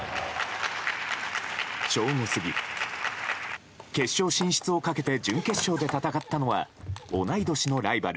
正午過ぎ、決勝進出をかけて準決勝で戦ったのは同い年のライバル